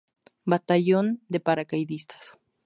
Batallón de Paracaidistas.